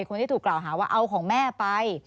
คนที่ถูกกล่าวหาว่าเอาของแม่ไป